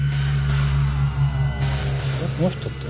えっこの人って。